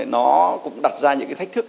nó cũng đặt ra những thách thức